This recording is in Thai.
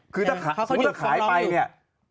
คือถ้าขายไปเนี่ย